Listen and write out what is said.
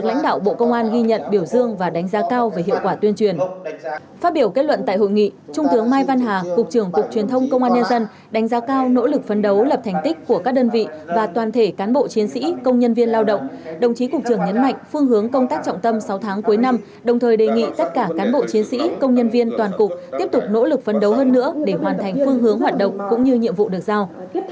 hà cục trưởng cục truyền thông công an nhân dân đánh giá cao nỗ lực phấn đấu lập thành tích của các đơn vị và toàn thể cán bộ chiến sĩ công nhân viên lao động đồng chí cục trưởng nhấn mạnh phương hướng công tác trọng tâm sáu tháng cuối năm đồng thời đề nghị tất cả cán bộ chiến sĩ công nhân viên toàn cục tiếp tục nỗ lực phấn đấu hơn nữa để hoàn thành phương hướng hoạt động cũng như nhiệm vụ được giao